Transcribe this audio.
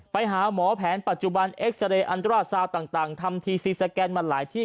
ไปหาหมอแผนปัจจุบันเอ็กซาเรย์อันตราซาวต่างทำทีซีสแกนมาหลายที่